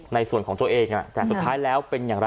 ในส่วนของตัวเองแต่สุดท้ายแล้วเป็นอย่างไร